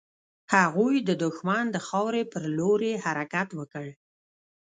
هغوی د دښمن د خاورې پر لور يې حرکت وکړ.